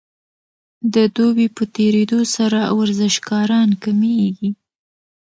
د دوبي په تیریدو سره ورزشکاران کمیږي